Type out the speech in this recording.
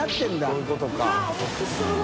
そういうことか。